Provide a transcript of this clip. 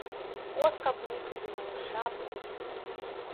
От, каб мне сюды маю шаблю!